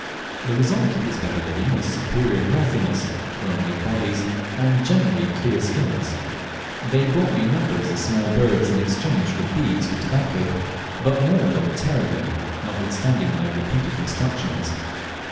The result of this better living is superior healthiness, well made bodies, and generally clear skins. They brought me numbers of small birds in exchange for beads or tobacco, but mauled them terribly, notwithstanding my repeated instructions.